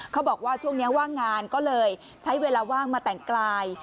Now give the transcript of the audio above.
เขาบอกว่าช่วงนี้ว่างงานก็เลยใช้เวลาว่างมาแต่งกาย